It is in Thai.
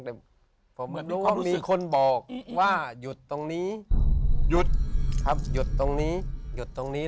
แต่มีคนบอกว่าหยุดตรงนี้